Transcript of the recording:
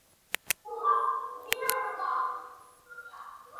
北武当山尤为可观的是那些千姿百态的奇松和栩栩如生的怪石。